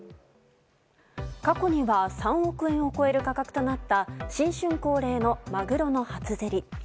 過去には３億円を超える価格となった新春恒例のマグロの初競り。